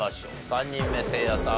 ３人目せいやさん